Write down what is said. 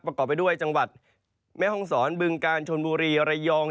ประกอบไปด้วยจังหวัดแม่ห้องศรบึงกาลชนบุรีระยอง